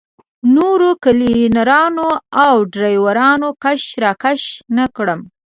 نورو کلینرانو او ډریورانو کش راکش نه کړم.